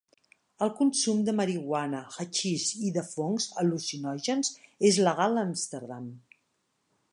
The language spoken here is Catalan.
El consum de marihuana, haixix i de fongs al·lucinògens és legal a Amsterdam.